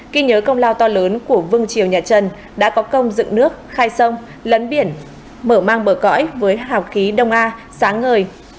khi nhớ công lao to lớn của vương triều nhà trần đã có công dựng nước khai sông lấn biển mở mang bờ cõi với hào khí đông a sáng ngời